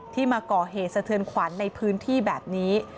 มาก่อเหตุสะเทือนขวัญในพื้นที่แบบนี้